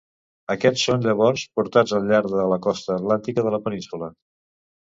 Aquests són llavors portats al llarg de la costa atlàntica de la península.